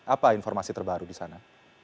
apa informasi terbaru di sana